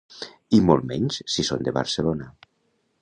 I molt menys si són de Barcelona.